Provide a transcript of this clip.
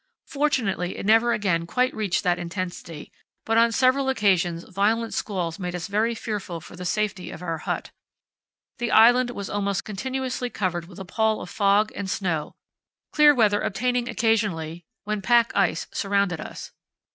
Fortunately it never again quite reached that intensity, but on several occasions violent squalls made us very fearful for the safety of our hut. The island was almost continuously covered with a pall of fog and snow, clear weather obtaining occasionally when pack ice surrounded us.